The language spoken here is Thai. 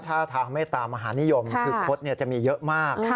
ถ้าถามให้ตามมหานิยมคดจะมีเยอะมาก